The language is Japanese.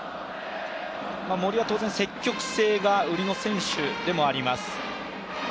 森は当然積極性が売りの選手でもあります。